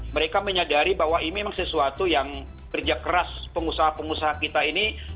mereka menyadari bahwa ini memang sesuatu yang kerja keras pengusaha pengusaha kita ini